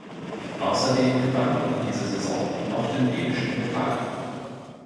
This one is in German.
Außerdem gewann man in dieser Saison noch den dänischen Pokal.